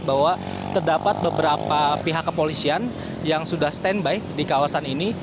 bahwa terdapat beberapa pihak kepolisian yang sudah standby di kawasan ini